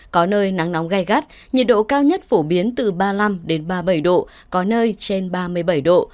có nơi nắng nóng gai gắt nhiệt độ cao nhất phổ biến từ ba mươi năm ba mươi bảy độ có nơi trên ba mươi bảy độ